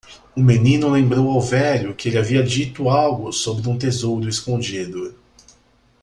O menino lembrou ao velho que ele havia dito algo sobre um tesouro escondido.